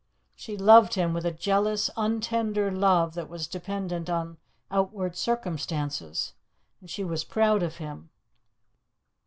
She loved him with a jealous, untender love that was dependent on outward circumstances, and she was proud of him.